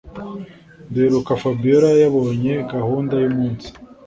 duheruka fabiora yabonye gahunda yumunsi